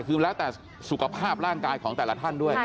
คือแล้วแต่สุขภาพร่างกายของแต่ละท่านด้วย